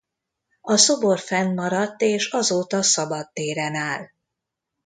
A szobor fennmaradt és azóta szabad téren áll.